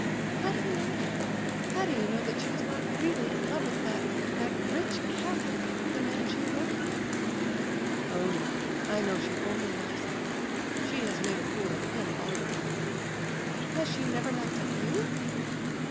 "How do you know that? How do you know that she is not really in love with that—that rich cad—the man she eloped with?" "Oh no! I know she only laughs at him; she has made a fool of him all along." "Has she never laughed at you?"